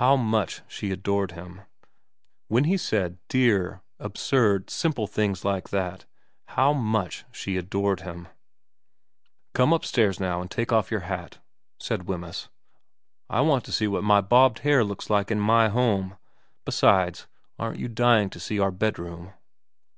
How much she adored him ; xvm VERA 203 when he said dear, absurd, simple things like that, how much she adored him !' Come upstairs now and take off your hat,' said Wemyss. * I want to see what my bobbed hair looks like in my home. Besides, aren't you dying to see our bedroom